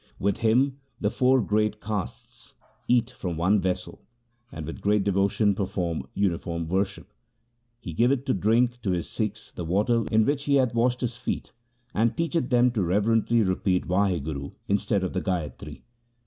With him the four great castes eat from one vessel, and with great devotion perform uniform worship. He giveth to drink to his Sikhs the water in which he hath washed his feet, and teacheth them to reverently repeat Wahguru instead of the gayatri.'